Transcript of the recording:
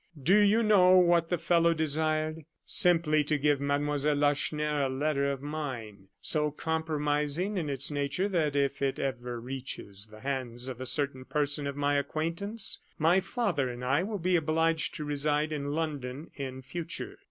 Do you know what the fellow desired? Simply to give Mademoiselle Lacheneur a letter of mine, so compromising in its natures that if it ever reaches the hands of a certain person of my acquaintance, my father and I will be obliged to reside in London in future.